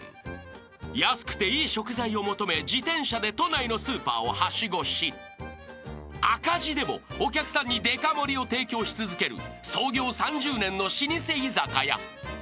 ［安くていい食材を求め自転車で都内のスーパーをはしごし赤字でもお客さんにでか盛りを提供し続ける創業３０年の老舗居酒屋］